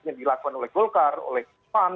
yang dilakukan oleh golkar oleh pan